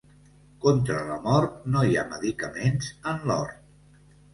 Contra la mort no hi ha medicaments en l'hort.